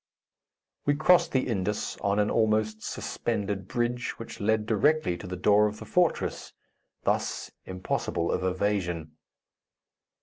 We crossed the Indus on an almost suspended bridge which led directly to the door of the fortress, thus impossible of evasion.